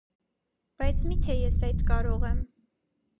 բայց մի՞թե ես այդ կարող եմ…